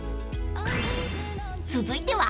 ［続いては］